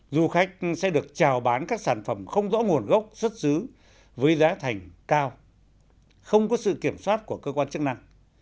du khách sẽ được trào bán các sản phẩm không rõ nguồn gốc xuất xứ với giá thành cao không có sự kiểm soát của cơ quan chức năng